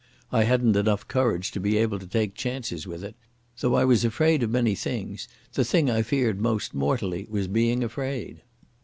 I hadn't enough courage to be able to take chances with it, though I was afraid of many things, the thing I feared most mortally was being afraid.